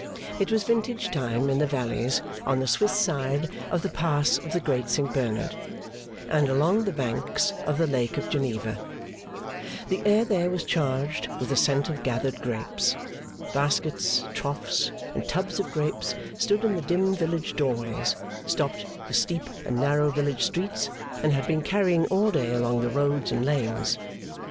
It was vintage time in the valleys on the Swiss side of the Pass of the Great Saint Bernard, and along the banks of the Lake of Geneva. The air there was charged with the scent of gathered grapes. Baskets, troughs, and tubs of grapes stood in the dim village doorways, stopped the steep and narrow village streets, and had been carrying all day along the roads and lanes.